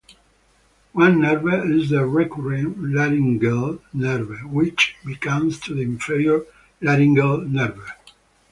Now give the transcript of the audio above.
One nerve is the recurrent laryngeal nerve, which becomes the inferior laryngeal nerve.